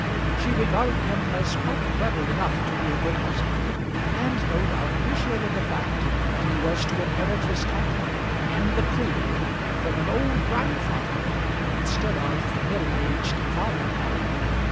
She regarded him as quite clever enough to be a good husband, and no doubt appreciated the fact that he was to inherit his title and The Cleeve from an old grandfather instead of a middle aged father.